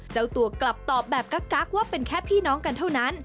เจ้าตัวกลับตอบแบบกักว่าเป็นแค่พี่น้องกันเท่านั้น